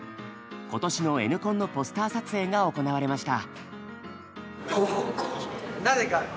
今年のＮコンのポスター撮影が行われました。